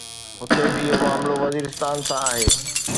هتي به اهو معاملو وزيرستان سان آهي.